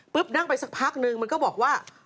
นั่งไปสักพักนึงมันก็บอกว่า